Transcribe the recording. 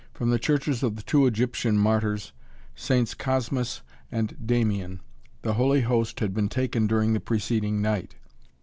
From the churches of the two Egyptian Martyrs, Sts. Cosmas and Damian, the Holy Host had been taken during the preceding night.